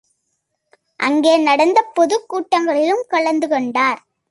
அங்கே நடந்த பொதுக் கூட்டங்களிலும் கலந்து கொண்டார்.